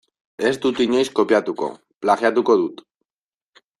Ez dut inoiz kopiatuko, plagiatuko dut.